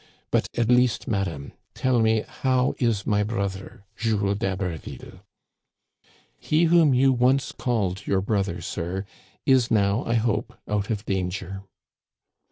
But at least, madam, tell me how is my brother. Jules d'Haberville ?"" He whom you once called your brother, sir, is now, I hope, out of danger."